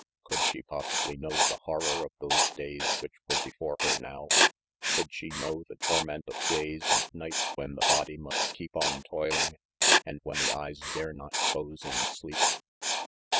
Could she possibly know the horror of those days which were before her now? Could she know the torment of days and nights when the body must keep on toiling, and when the eyes dare not close in sleep?